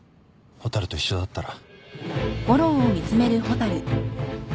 蛍と一緒だったら。